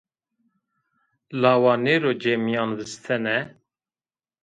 Wa la nêro cêmîyanvistene